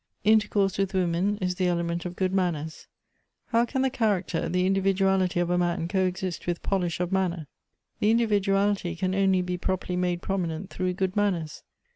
"Intercourse with women is the element of good .man ners. "How can the character, the individuality of a man co exist with polish of manner? " The individuality can only be properly made promi nent through good manners.